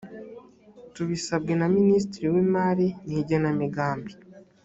tubisabwe na minisitiri w imari n igenamigambi